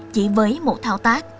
chỉ với một thao tác